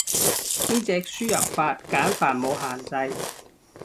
呢隻輸入法繁簡冇限制